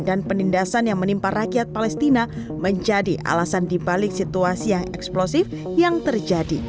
dan penindasan yang menimpa rakyat palestina menjadi alasan dibalik situasi yang eksplosif yang terjadi